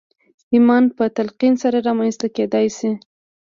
ايمان په تلقين سره رامنځته کېدای شي.